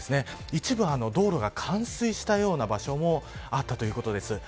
一部、道路が冠水したような場所もあったということです。